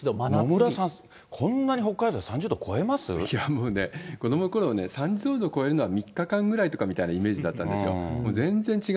野村さん、こんなに北海道、もうね、子どものころ、３０度超えるのは３日間ぐらいみたいなイメージだったんですよ。